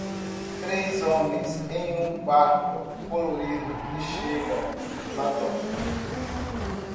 Três homens em um barco colorido que chegam na doca.